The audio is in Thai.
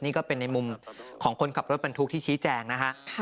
นี่ก็เป็นในมุมของคนขับรถบรรทุกที่ชี้แจงนะฮะ